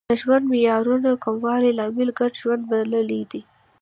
د ژوند معیارونو کموالی لامل ګډ ژوند بللی دی